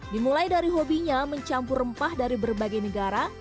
dimulai dari hobinya mencampur rempah dari berbagai negara